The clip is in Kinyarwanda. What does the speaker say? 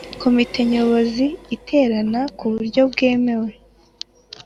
Komite Nyobozi iterana mu buryo bwemewe